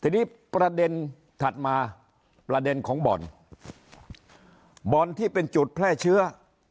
ทีนี้ประเด็นถัดมาประเด็นของบ่อนบ่อนที่เป็นจุดแพร่เชื้อ